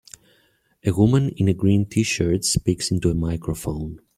A woman in a green tshirt speaks into a microphone.